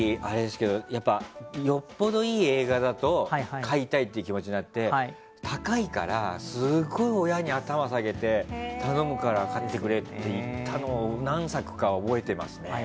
よっぽどいい映画だと買いたいって気持ちになって高いから、すごい親に頭下げて頼むから、買ってくれって言ったのを、何作か覚えてますね。